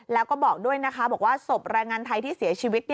แล้วก็บอกด้วยนะคะบอกว่าศพแรงงานไทยที่เสียชีวิต